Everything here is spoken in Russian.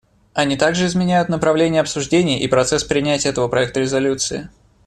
Они также изменяют направление обсуждений и процесс принятия этого проекта резолюции.